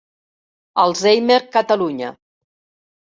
Alzheimer Catalunya.